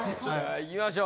いきましょう。